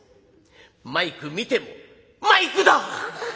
マイク見ても「マイクだ！」。